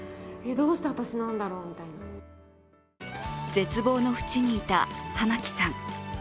絶望の淵にいた浜木さん。